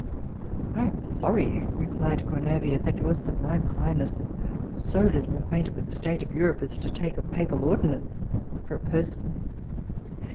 I am sorry, replied Gronovia, that your sublime highness is so little acquainted with the state of Europe, as to take a papal ordinance for a person.